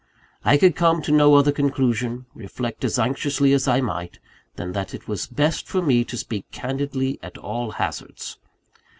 I could come to no other conclusion, reflect as anxiously as I might, than that it was best for me to speak candidly at all hazards.